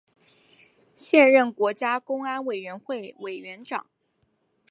现任国家公安委员会委员长。